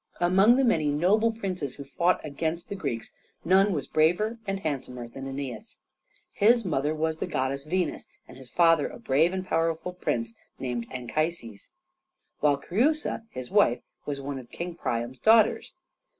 Among the many noble princes who fought against the Greeks none was braver and handsomer than Æneas. His mother was the goddess Venus, and his father a brave and powerful Prince named Anchises, while Creusa, his wife, was one of King Priam's daughters.